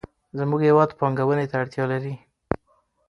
زموږ هېواد پانګونې ته اړتیا لري.